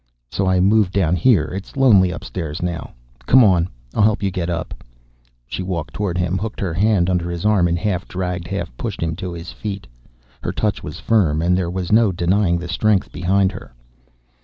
"So I moved down here. It's lonely upstairs now. Come on; I'll help you get up." She walked toward him, hooked her hand under his arm, and half dragged, half pushed him to his feet. Her touch was firm, and there was no denying the strength behind her.